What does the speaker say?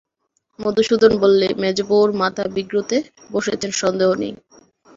মধুসূদন বললে, মেজোবউ ওর মাথা বিগড়োতে বসেছেন সন্দেহ নেই।